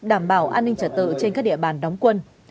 đảm bảo an ninh trật tự trên các địa bàn đóng quân